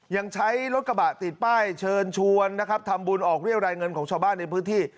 ยังใช้รถกระบะติดป้ายเชิญชวนนะครับทำบุญออกเรียกรายเงินของชาวบ้านในพื้นที่